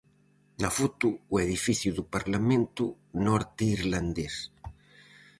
Na foto, o edificio do parlamento norteirlandés.